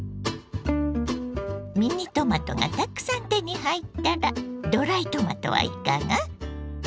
ミニトマトがたくさん手に入ったらドライトマトはいかが。